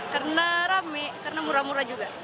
karena rame karena murah murah juga